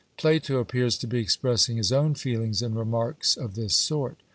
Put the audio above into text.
Plato appears to be expressing his own feelings in remarks of this sort.